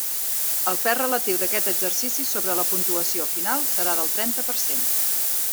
El pes relatiu d'aquest exercici sobre la puntuació final serà del trenta per cent.